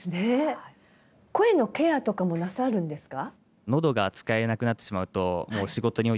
声のケアとかもなさるんですか？